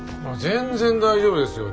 全然大丈夫ですよ！